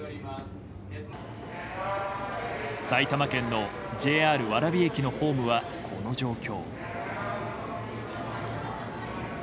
埼玉県のＪＲ蕨駅のホームはこの状況。